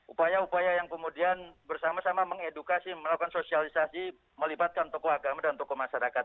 upaya upaya yang kemudian bersama sama mengedukasi melakukan sosialisasi melibatkan tokoh agama dan tokoh masyarakat